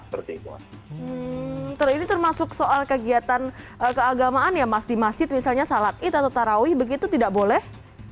terus ini termasuk soal kegiatan keagamaan ya mas di masjid misalnya salat id atau tarawih begitu tidak boleh